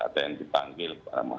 ada yang ditanggil